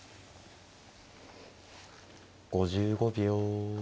５５秒。